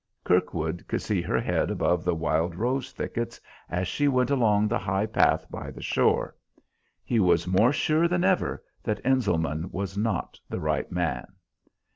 Kirkwood could see her head above the wild rose thickets as she went along the high path by the shore. He was more sure than ever that Enselman was not the right man.